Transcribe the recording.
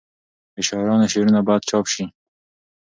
د شاعرانو شعرونه باید چاپ سي.